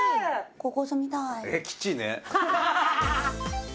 ここ住みたい。